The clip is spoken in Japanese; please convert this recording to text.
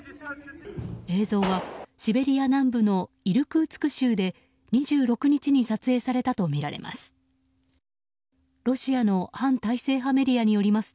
映像は、シベリア南部のイルクーツク州で２６日に撮影されたとみられます。